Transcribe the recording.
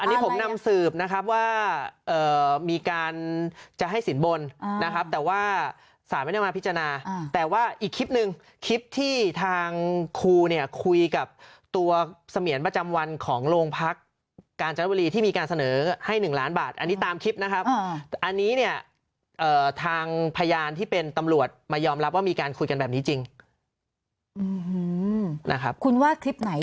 อันนี้ผมนำสืบนะครับว่ามีการจะให้สินบนนะครับแต่ว่าสารไม่ได้มาพิจารณาแต่ว่าอีกคลิปหนึ่งคลิปที่ทางครูเนี่ยคุยกับตัวเสมียนประจำวันของโรงพักกาญจนบุรีที่มีการเสนอให้๑ล้านบาทอันนี้ตามคลิปนะครับอันนี้เนี่ยทางพยานที่เป็นตำรวจมายอมรับว่ามีการคุยกันแบบนี้จริงนะครับคุณว่าคลิปไหน